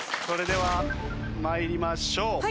それでは参りましょう。